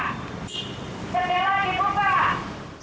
kalau pintu dibuka jendela dibuka